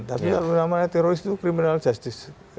tapi kalau namanya teroris itu criminal justice